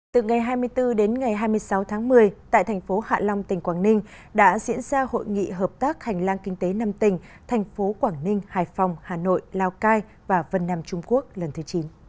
từ ngày hai mươi bốn đến ngày hai mươi sáu tháng một mươi tại thành phố hạ long tỉnh quảng ninh đã diễn ra hội nghị hợp tác hành lang kinh tế năm tỉnh thành phố quảng ninh hải phòng hà nội lào cai và vân nam trung quốc lần thứ chín